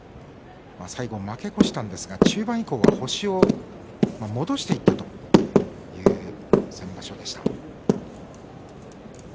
最後、負け越したんですが中盤以降は星を戻していったという先場所でした。